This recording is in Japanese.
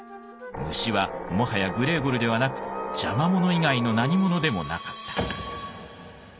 虫はもはやグレーゴルではなく邪魔者以外の何者でもなかった。